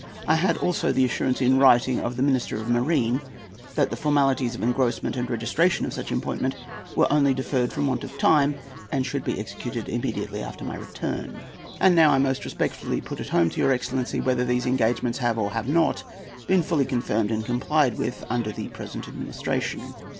I had also the assurance in writing of the Minister of Marine, that the formalities of engrossment and registration of such appointment were only deferred from want of time, and should be executed immediately after my return. And now I most respectfully put it home to your excellency whether these engagements have or have not been fully confirmed and complied with under the present administration.